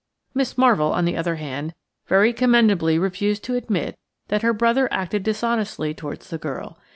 Miss Marvell, on the other hand, very commendably refused to admit that her brother acted dishonestly towards the girl.